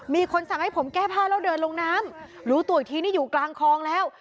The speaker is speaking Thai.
มีคนสั่งให้ผมแก้ผ้าแล้วเดินลงน้ำรู้ตัวอีกทีนี่อยู่กลางคลองแล้ว